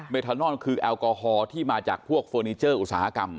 ทานอนคือแอลกอฮอลที่มาจากพวกเฟอร์นิเจอร์อุตสาหกรรม